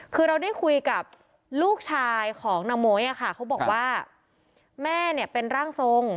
คือเราได้คุยกับลูกชายของนางโมยอะค่ะเขาบอกว่าแม่เนี่ยเป็นร่างทรง